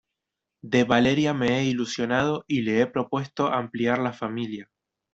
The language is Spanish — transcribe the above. de Valeria me he ilusionado y le he propuesto ampliar la familia